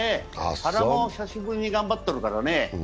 原も久しぶりに頑張ってるからね。